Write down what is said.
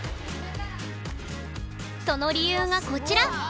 その理由がこちら。